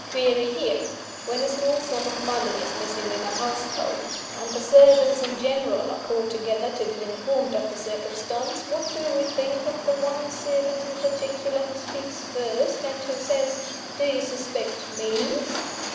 Query here: When a small sum of money is missing in a household, and the servants in general are called together to be informed of the circumstance, what do we think of the one servant in particular who speaks first, and who says, 'Do you suspect _me?